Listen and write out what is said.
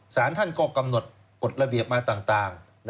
สารท่านก็กำหนดกฎระเบียบมาต่าง